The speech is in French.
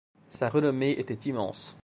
Sa renommée était immense.